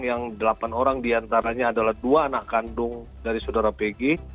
yang delapan orang diantaranya adalah dua anak kandung dari saudara pg